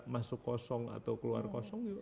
masuk kosong atau keluar kosong